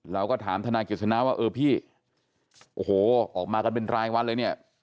เราก็ถามทนายกฤษณะว่าเออพี่โอ้โหออกมากันเป็นรายวันเลยเนี่ย